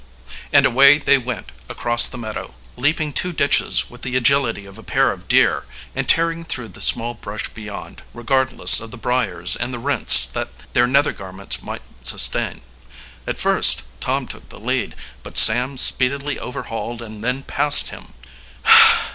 And away they went across the meadow, leaping two ditches with the agility of a pair of deer, and tearing through the small brush beyond regardless of the briers and the rents their nether garments might sustain. At first Tom took the lead, but Sam speedily overhauled and then passed him.